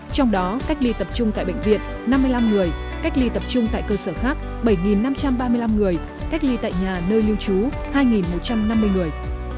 trong đó cách ly tập trung tại bệnh viện năm mươi năm người cách ly tập trung tại cơ sở khác bảy năm trăm ba mươi năm người cách ly tại nhà nơi lưu trú hai một trăm năm mươi người